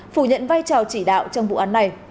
phủ nhận vai trò chỉ đạo trong vụ án này